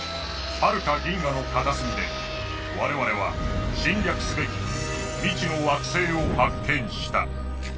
はるか銀河の片隅で我々は侵略すべき未知の惑星を発見した！